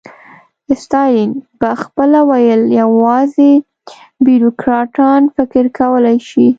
ستالین به خپله ویل یوازې بیروکراټان فکر کولای شي.